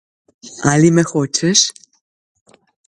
Ali me hočeš?